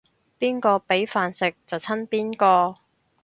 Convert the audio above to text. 邊個畀飯食就親邊個